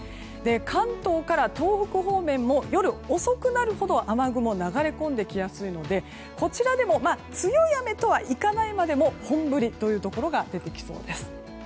関東から東北方面も夜遅くなるほど雨雲が流れ込んできやすいのでこちらでも強い雨とはいかないまでも本降りというところが出てきそうです。